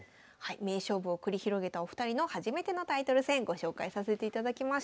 名勝負を繰り広げたお二人の初めてのタイトル戦ご紹介させていただきました。